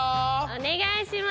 おねがいします。